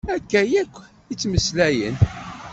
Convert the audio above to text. Akka akk i ttmeslayen.